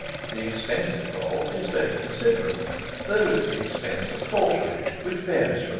The expense involved is very considerable: there is the expense of porterage, which varies from 3_d.